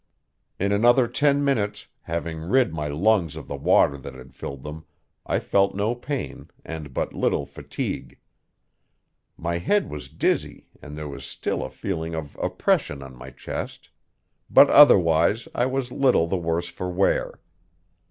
In another ten minutes, having rid my lungs of the water that had filled them, I felt no pain and but little fatigue. My head was dizzy, and there was still a feeling of oppression on my chest; but otherwise I was little the worse for wear.